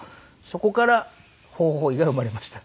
そこから「ホホホイ」が生まれました。